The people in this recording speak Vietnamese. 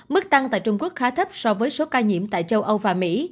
mức tăng tại trung quốc khá thấp so với số ca nhiễm tại châu âu và mỹ